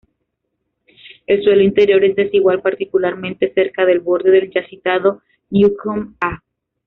El suelo interior es desigual, particularmente cerca del borde del ya citado "Newcomb A".